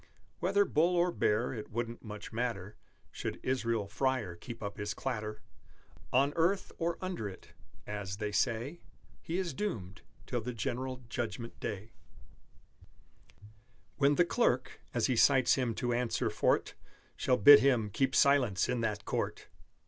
Whether bull or bear, it wouldn't much matter Should Israel Freyer keep up his clatter On earth or under it (as, they say, He is doomed) till the general Judgment Day, When the Clerk, as he cites him to answer for 't, Shall bid him keep silence in that Court!